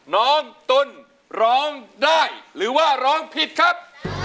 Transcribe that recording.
น้องตุ้นร้องได้หรือว่าร้องผิดครับ